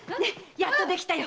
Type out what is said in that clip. やっと出来たよ。